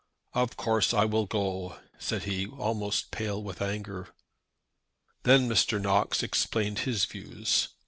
"Of course I will go," said he, almost pale with anger. Then Mr. Knox explained his views.